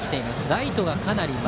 ライトがかなり前。